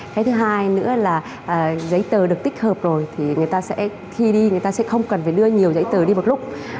cái thứ hai nữa là giấy tờ được tích hợp rồi thì người ta sẽ khi đi người ta sẽ không cần phải đưa nhiều giấy tờ đi một lúc